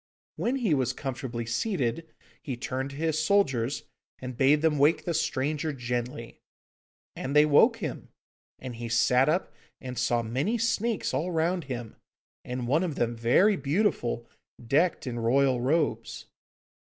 When he was comfortably seated, he turned to his soldiers, and bade them wake the stranger gently. And they woke him, and he sat up and saw many snakes all round him, and one of them very beautiful, decked in royal robes.